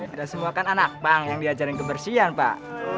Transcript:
ada semua kan anak bang yang diajarin kebersihan pak